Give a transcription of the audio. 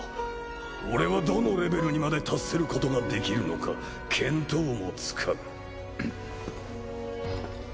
俺はどのレベルにまで達することができるのか見当もつかん。